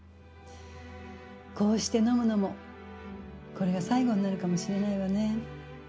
こうして飲むのもこれが最後になるかもしれないわね。